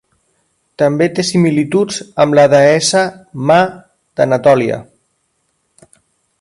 També té similituds amb la deessa Ma d'Anatòlia.